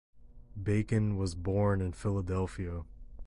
Bacon was born in Philadelphia.